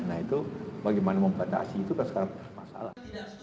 nah itu bagaimana membatasi itu kan sekarang masalah